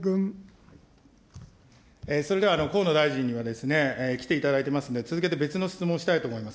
それでは河野大臣には来ていただいてますんで、続けて別の質問をしたいと思います。